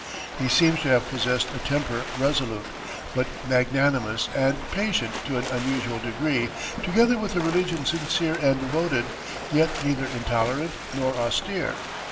He seems to have possessed a temper resolute, but magnanimous and patient to an unusual degree, together with a religion sincere and devoted, yet neither intolerant nor austere.